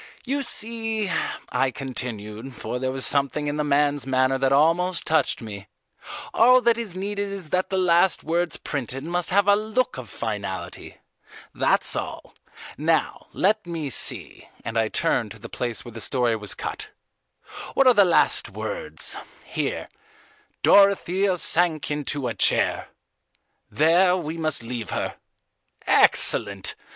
You see," I continued, for there was something in the man's manner that almost touched me, "all that is needed is that the last words printed must have a look of finality. That's all. Now, let me see," and I turned to the place where the story was cut, "what are the last words: here: 'Dorothea sank into a chair. There we must leave her!' Excellent!